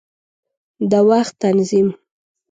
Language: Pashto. د وخت تنظیم